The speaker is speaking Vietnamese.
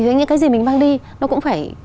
thế những cái gì mình mang đi nó cũng phải